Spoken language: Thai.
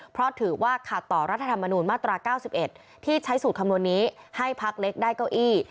เพราะถือว่าขัดต่อรัฐธรรมนูญมาตรา๙๑ที่ใช้สูตรคำนวณนี้ให้พักเล็กได้เก้าอี้